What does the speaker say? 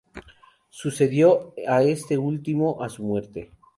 Sucedió a este último a su muerte.